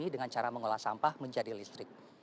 dengan cara mengolah sampah menjadi listrik